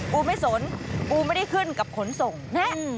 กูไม่สนกูไม่ได้ขึ้นกับขนส่งนะ